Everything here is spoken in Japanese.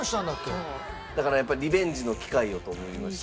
だからやっぱりリベンジの機会をと思いまして。